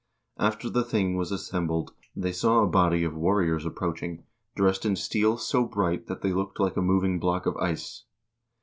After the thing was assembled, they saw a body of warriors approaching, dressed in steel so bright that they looked like a moving block of ice.